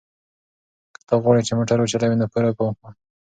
که ته غواړې چې موټر وچلوې نو پوره پام کوه.